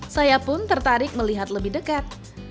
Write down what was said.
saya pun tertarik melihat lebih dekat